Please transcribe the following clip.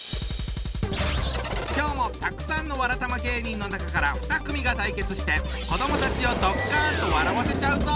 今日もたくさんのわらたま芸人の中から２組が対決して子どもたちをドッカンと笑わせちゃうぞ！